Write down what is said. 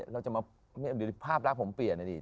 เราจะมาหรือภาพรักผมเปลี่ยนอ่ะดี